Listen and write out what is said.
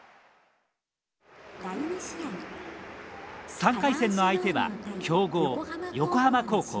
３回戦の相手は強豪横浜高校。